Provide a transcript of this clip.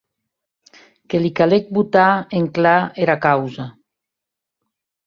Que li calec botar en clar era causa.